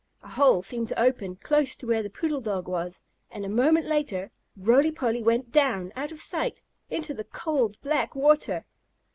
A hole seemed to open, close to where the poodle dog was, and, a moment later, Roly Poly went down, out of sight, into the cold, black water.